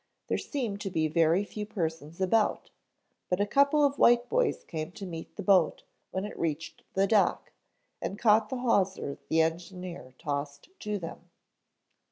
There seemed to be very few persons about, but a couple of white boys came to meet the boat when it reached the dock, and caught the hawser the engineer tossed to them.